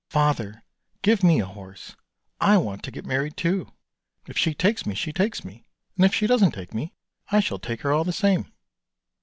" Father, give me a horse. I want to get married too. If she takes me, she takes me, and if she doesn't take me, I shall take her all the same."